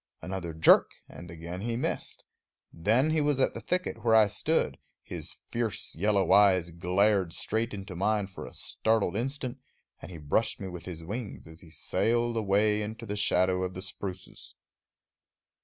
Another jerk, and again he missed. Then he was at the thicket where I stood; his fierce yellow eyes glared straight into mine for a startled instant, and he brushed me with his wings as he sailed away into the shadow of the spruces.